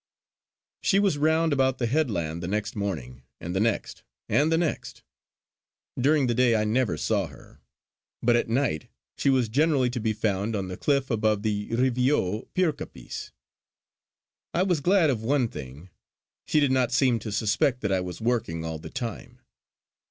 She was round about the headland the next morning, and the next, and the next. During the day I never saw her; but at night she was generally to be found on the cliff above the Reivie o'Pircappies. I was glad of one thing; she did not seem to suspect that I was working all the time.